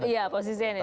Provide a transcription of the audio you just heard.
iya posisinya itu